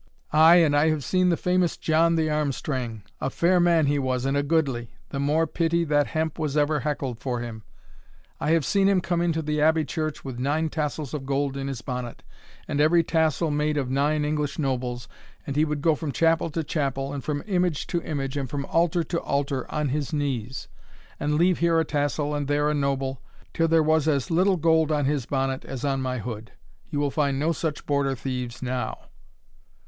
Ay, and I have seen the famous John the Armstrang a fair man he was and a goodly, the more pity that hemp was ever heckled for him I have seen him come into the Abbey church with nine tassels of gold in his bonnet, and every tassel made of nine English nobles, and he would go from chapel to chapel, and from image to image, and from altar to altar, on his knees and leave here a tassel, and there a noble, till there was as little gold on his bonnet as on my hood you will find no such Border thieves now!"